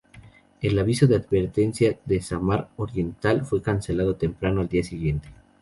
El aviso de advertencia de Samar Oriental fue cancelado temprano al día siguiente.